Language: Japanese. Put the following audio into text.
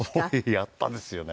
「やった！」ですよね。